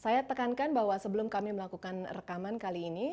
saya tekankan bahwa sebelum kami melakukan rekaman kali ini